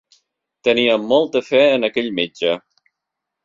Tenia molta fe en aquell metge.